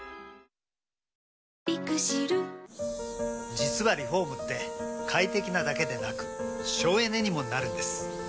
実はリフォームって快適なだけでなく省エネにもなるんです。